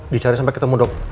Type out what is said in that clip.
dicari sampai ketemu dok